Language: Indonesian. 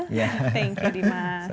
thank you dimas